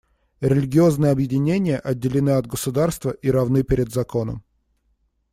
Религиозные объединения отделены от государства и равны перед законом.